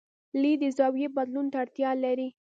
لید د زاویې بدلون ته اړتیا لري.